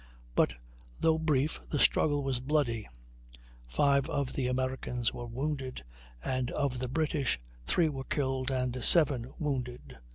But though brief, the struggle was bloody; 5 of the Americans were wounded, and of the British 3 were killed and 7 wounded.